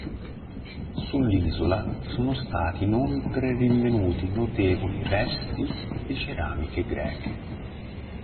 Sull'isola sono stati inoltre rinvenuti notevoli resti di ceramiche greche.